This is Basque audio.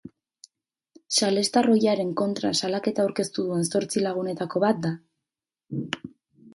Salestar ohiaren kontra salaketa aurkeztu duen zortzi lagunetako bat da.